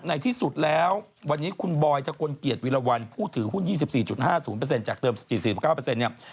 ในที่สุดแล้ววันนี้คุณบอยทะกลเกียจวิรวรรณผู้ถือหุ้น๒๔๕๐จากเดิม๔๔๙เนี่ย